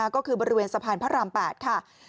ก็คือบริเวณสะพานพระราม๘ค่ะ